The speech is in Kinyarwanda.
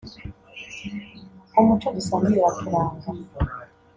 “umuco dusangiye uraturanga